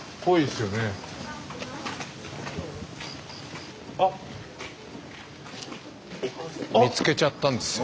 スタジオ見つけちゃったんですよ。